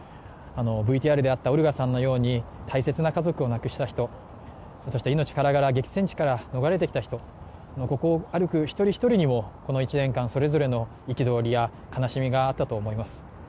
ＶＴＲであったオルガさんのように大切な家族を亡くした人、そして命からがら激戦地から逃れてきた人ここを歩く１人１人にもこの１年間、それぞれの憤りや悲しみがあったと思います。